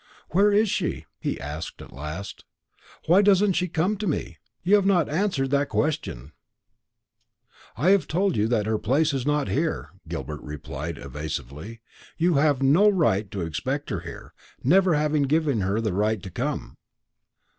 "Where is she?" he asked at last; "why doesn't she come to me? You have not answered that question." "I have told you that her place is not here," Gilbert replied evasively. "You have no right to expect her here, never having given her the right to come."